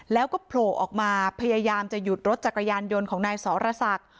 แล้วก็โผล่ออกมาพยายามจะหยุดรถจักรยานยนต์ของนายสรศักดิ์